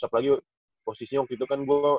apalagi posisinya waktu itu kan gue